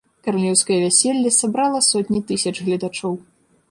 Каралеўскае вяселле сабрала сотні тысяч гледачоў.